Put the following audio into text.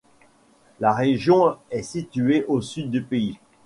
La région est située au sud du pays.